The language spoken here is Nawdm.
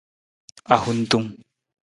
Ahuntung.